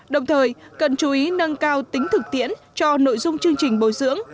đồng thời cần chú ý nâng cao tính thực tiễn cho nội dung chương trình bồi dưỡng